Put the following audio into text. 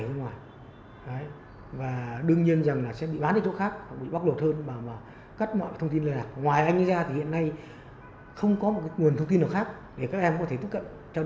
không có một nguồn thông tin nào khác để các em có thể tiếp cận trao đổi lại với gia đình được cả